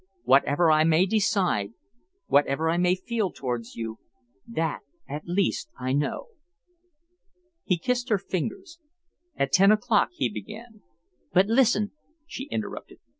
Whatever I may decide, whatever I may feel towards you, that at least I know." He kissed her fingers. "At ten o'clock," he began "But listen," she interrupted.